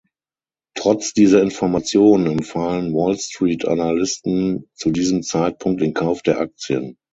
Trotz dieser Informationen empfahlen Wall Street Analysten zu diesem Zeitpunkt den Kauf der Aktien.